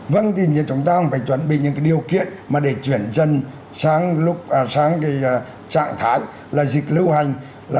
vâng thì chúng ta phải chuẩn bị những cái điều kiện mà để chuyển dân sang trạng thái là dịch lưu hành